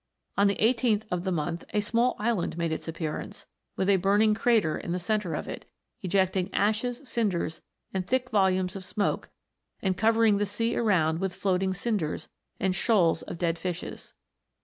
On the 18th of the month a small island made its appearance, with a burning crater in the centre of it, ejecting ashes, cinders, and thick volumes of smoke, and covering the sea around with floating cinders, and shoals of dead fishes.